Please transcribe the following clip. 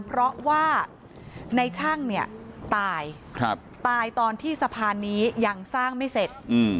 เพราะว่าในช่างเนี่ยตายตายตอนที่สะพานนี้ยังสร้างไม่เสร็จ